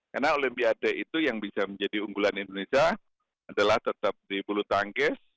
karena olimpiade itu yang bisa menjadi unggulan indonesia adalah tetap di bulu tangkis